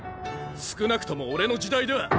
少なくとも俺の時代では！